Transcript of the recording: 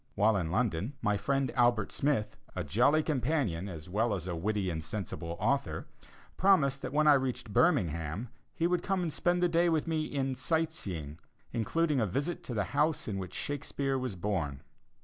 While in London, my friend Albert Smith, a jolly companion, as well as a witty and sensible author, promised that when I reached Birmingham he would come and spend a day with me in "sight seeing," including a visit to the house in which Shakespeare was born.